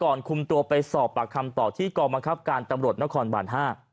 ก่อนคุมตัวไปสอบปากคำตอบที่กรมคับการตำรวจนครบาล๕